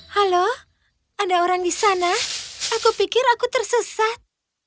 halo ada orang di sana aku pikir aku tersesat